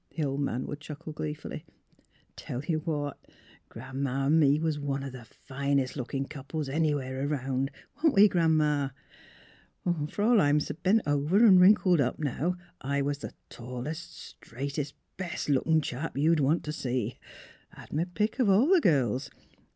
the old man would chuckle gleefully. '* Tell ye what, Gran 'ma an' me was one of the finest lookin* couples anywheres around; wa'n't we, Gran 'ma? Fer all I'm s' bent over an' wrinkled up now I was the tallest, straightest, best lookin' chap ye'd want t' see. Had m' pick of all the girls.